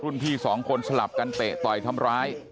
พี่สองคนสลับกันเตะต่อยทำร้าย